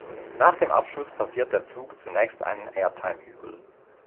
Nach dem Abschuss passiert der Zug zunächst einen Airtime-Hügel.